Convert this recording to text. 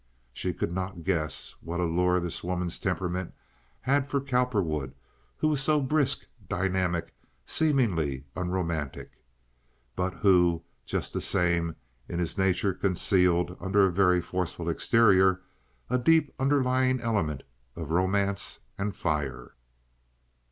She could not guess what a lure this woman's temperament had for Cowperwood, who was so brisk, dynamic, seemingly unromantic, but who, just the same, in his nature concealed (under a very forceful exterior) a deep underlying element of romance and fire.